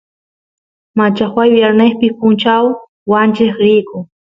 machajuay viernespi punchaw wancheq riyku